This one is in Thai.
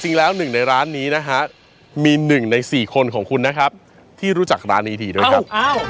จริงแล้ว๑ในร้านนี้มี๑เดือนในสี่คนของคุณที่รู้จักร้านนี้ดีนะครับ